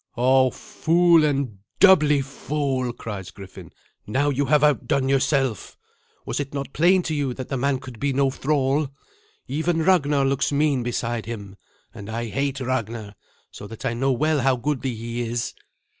"O fool, and doubly fool!" cries Griffin; "now have you outdone yourself. Was it not plain to you that the man could be no thrall? Even Ragnar looks mean beside him, and I hate Ragnar, so that I know well how goodly he is."